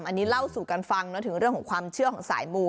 อันนี้เล่าสู่กันฟังถึงเรื่องของความเชื่อของสายมู